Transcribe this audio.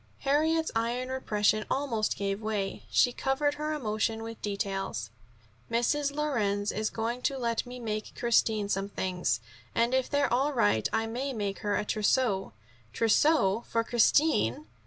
Harriet's iron repression almost gave way. She covered her emotion with details: "Mrs. Lorenz is going to let me make Christine some things, and if they're all right I may make her trousseau." "Trousseau for Christine!"